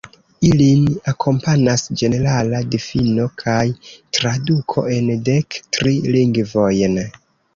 Ilin akompanas ĝenerala difino kaj traduko en dek tri lingvojn.